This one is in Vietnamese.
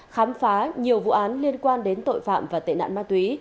khám phá nhiều vụ án liên quan đến tội phạm và tệ nạn ma túy